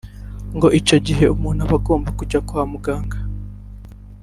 ngo icyo gihe umuntu aba agomba kujya kwa muganga